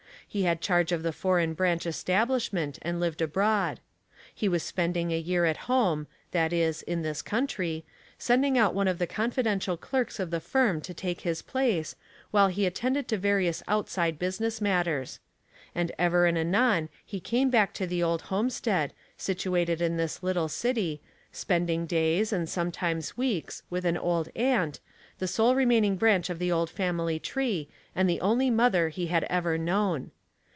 He had charge of the foreign branch es tablishment, and lived abroad. He was spending a year at home — that is, in this country — send ing out one of the confidential clerks of the firm to take his place, while he attended to various outside business matters. And ever and anon he came back to the old homestead, situated in this little city, spending days, and sometimes weeks, with an old aunt, the sole remaining branch of the old family tree, and the only mother he had ever known.